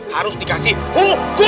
harus dikasih hukum